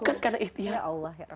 ya allah ya allah